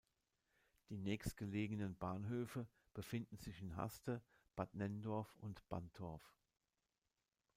Die nächstgelegenen Bahnhöfe befinden sich in Haste, Bad Nenndorf und Bantorf.